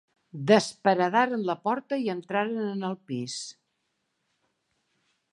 Desparedaren la porta i entraren en el pis.